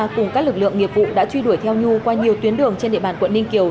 cùng các lực lượng nghiệp vụ đã truy đuổi theo nhu qua nhiều tuyến đường trên địa bàn quận ninh kiều